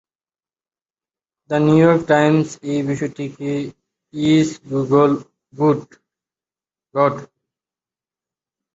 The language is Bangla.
দ্যা নিউইয়র্ক টাইমস এই বিষয়টিকে "ইজ গুগল গড?"